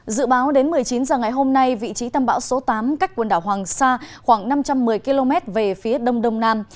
dự báo đến một mươi chín h ngày hôm nay vị trí tâm bão số tám cách quần đảo hoàng sa khoảng năm trăm một mươi km về phía đông đông nam